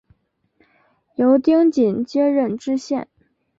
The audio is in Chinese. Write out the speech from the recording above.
由丁谨接任知县。